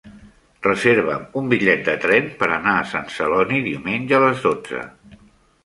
Reserva'm un bitllet de tren per anar a Sant Celoni diumenge a les dotze.